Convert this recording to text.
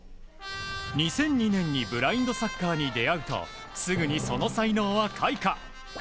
２００２年にブラインドサッカーに出会うとすぐにその才能は開花。